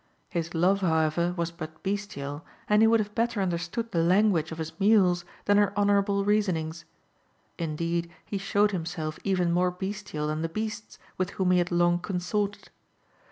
His love, however, was but bestial, and he would have better understood the language of his mules than her honourable reasonings; indeed, he showed himself even more bestial than the beasts with whom he had long consorted.